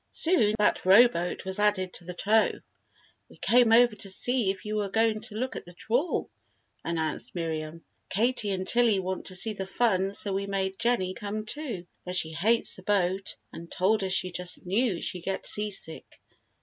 Soon, that rowboat was added to the tow. "We came over to see if you were going to look at the trawl," announced Miriam. "Katy and Tillie want to see the fun so we made Jenny come too, though she hates a boat and told us she just knew she'd get seasick."